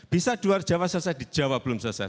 bisa di luar jawa selesai di jawa belum selesai